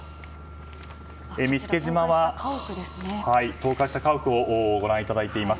倒壊した家屋をご覧いただいています。